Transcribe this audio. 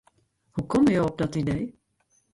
Hoe komme jo op dat idee?